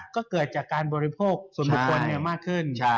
ก็เกิดจากการบริโภคส่วนบุคคลมากขึ้น